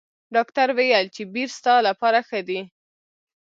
ډاکټر ویل چې بیر ستا لپاره ښه دي.